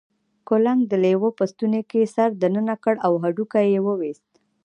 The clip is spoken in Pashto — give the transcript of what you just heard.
کلنګ د لیوه په ستوني کې سر دننه کړ او هډوکی یې وویست.